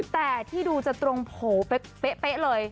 แต่ที่ดูจะตรงโผล่เป๊ะเลย